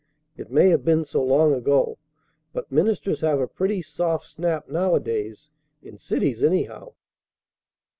It may have been so long ago; but ministers have a pretty soft snap nowadays, in cities anyhow."